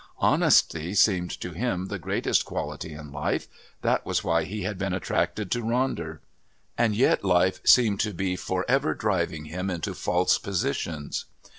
Honesty seemed to him the greatest quality in life; that was why he had been attracted to Ronder. And yet life seemed to be for ever driving him into false positions.